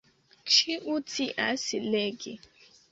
Ĉiu scias legi.